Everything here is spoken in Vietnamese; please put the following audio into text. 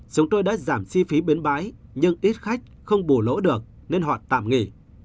chúng tôi đã giảm chi phí bến bãi nhưng ít khách không bù lỗ được nên họ tạm nghỉ